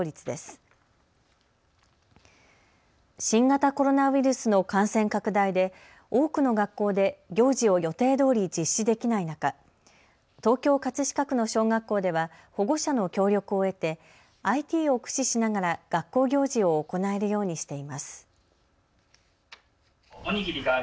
新型コロナウイルスの感染拡大で多くの学校で行事を予定どおり実施できない中、東京葛飾区の小学校では保護者の協力を得てＩＴを駆使しながら学校行事を行えるようにしています。